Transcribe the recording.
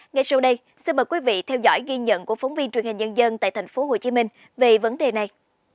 ngay sau đây xin mời quý vị theo dõi ghi nhận của phóng viên truyền hình nhân dân tại tp hcm về vấn đề này